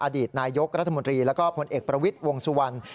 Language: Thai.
อดีตนายกรัฐมนตรีแล้วก็ผลเอกประวิทย์วงสุวรรณ